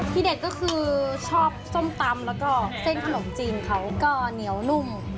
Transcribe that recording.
เด็ดก็คือชอบส้มตำแล้วก็เส้นขนมจีนเขาก็เหนียวนุ่ม